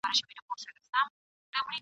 دسرونو بازار تود ؤ ..